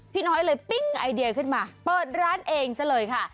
น้อยเลยปิ้งไอเดียขึ้นมาเปิดร้านเองซะเลยค่ะ